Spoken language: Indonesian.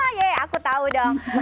oh iya aku tahu dong